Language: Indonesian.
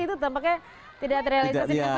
itu tampaknya tidak realisasi